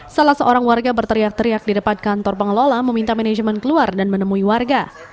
salah seorang warga berteriak teriak di depan kantor pengelola meminta manajemen keluar dan menemui warga